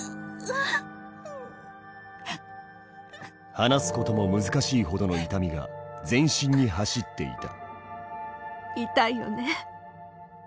話すことも難しいほどの痛みが全身に走っていた。